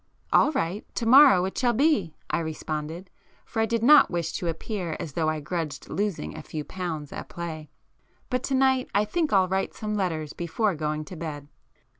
"All right,—to morrow it shall be!"—I responded, for I did not wish to appear as though I grudged losing a few pounds at play—"But to night I think I'll write some letters before going to bed."